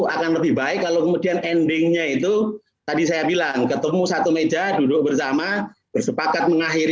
akan lebih baik kalau kemudian endingnya itu tadi saya bilang ketemu satu meja duduk bersama bersepakat mengakhiri